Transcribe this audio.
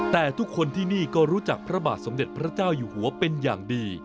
แต่ทุกคนที่นี่ก็รู้จักพระบาทสมเด็จพระเจ้าอยู่หัวเป็นอย่างดี